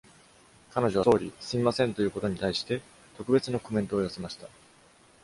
彼女は sorry（ すみません）と言うことに対して、特別なコメントを寄せました。